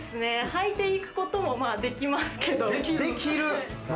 履いて行くこともできますけど。